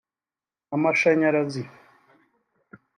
amashanyarazi